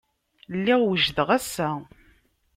Lliɣ wejdeɣ assa.